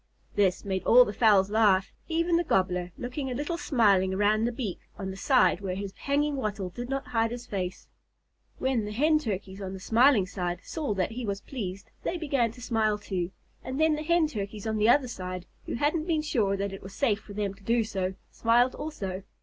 This made all the fowls laugh, even the Gobbler looking a little smiling around the beak on the side where his hanging wattle did not hide his face. When the Hen Turkeys on the smiling side saw that he was pleased, they began to smile too; and then the Hen Turkeys on the other side, who hadn't been sure that it was safe for them to do so, smiled also.